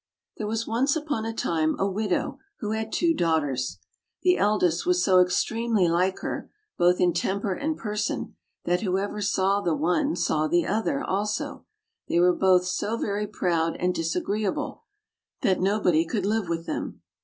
THERE was once upon a time a widow who had two daughters. The eldest was so extremely like her, both in temper and person, that whoever saw the one saw the other also; they were both so very proud and disagree able that nobody could live with them.